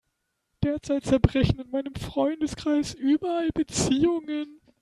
Derzeit zerbrechen in meinem Freundeskreis überall Beziehungen.